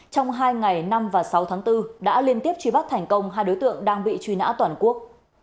trong hai ngày năm và sáu tháng bốn đã liên tiếp truy bắt thành công hai đối tượng đang bị truy nã toàn quốc